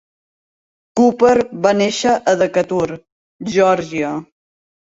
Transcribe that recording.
Cooper va néixer a Decatur, Georgia.